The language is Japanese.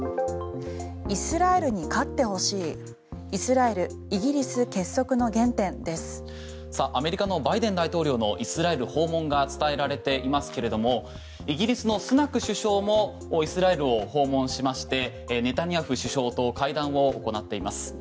イスラエルに勝ってほしいイスラエルアメリカのバイデン大統領のイスラエル訪問が伝えられていますけれどもイギリスのスナク首相もイスラエルを訪問しましてネタニヤフ首相と会談を行っています。